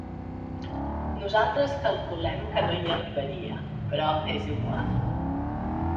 Nosaltres calculem que no hi arribaria, però és igual.